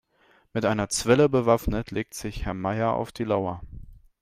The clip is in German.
Mit einer Zwille bewaffnet legt sich Herr Meier auf die Lauer.